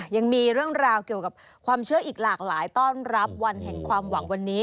ยังมีเรื่องราวเกี่ยวกับความเชื่ออีกหลากหลายต้อนรับวันแห่งความหวังวันนี้